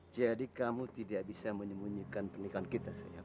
jadi kamu tidak bisa menyembunyikan pernikahan kita sayang